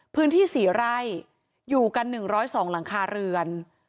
พื้นที่๔ไร่อยู่กัน๑๐๒หลังคาเรือน